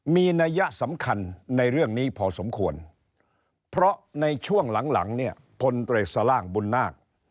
มีนัยสำคัญในเรื่องนี้พอสมควรเพราะในช่วงหลังหลังเนี่ยพลตรวจสล่างบุญนาค